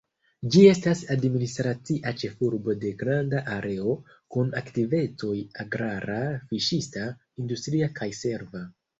Ĝi estas administracia ĉefurbo de granda areo, kun aktivecoj agrara, fiŝista, industria kaj serva.